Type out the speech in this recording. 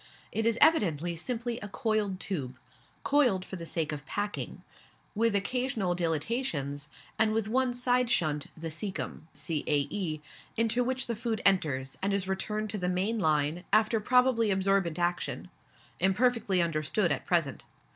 It is evidently simply a coiled tube coiled for the sake of packing with occasional dilatations, and with one side shunt, the caecum (cae.), into which the food enters, and is returned to the main line, after probably absorbent action, imperfectly understood at present.